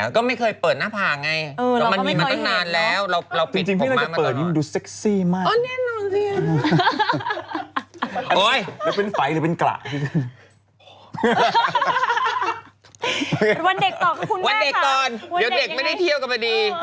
วันเด็กตอนเดี๋ยวเด็กไม่ได้เที่ยวกันบะดี